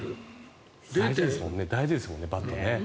大事ですもんね、バット。